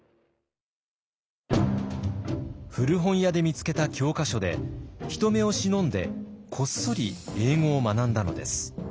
古本屋で見つけた教科書で人目を忍んでこっそり英語を学んだのです。